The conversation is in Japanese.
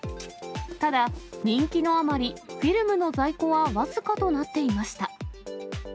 ただ、人気のあまり、フィルムの在庫は僅かとなっていました。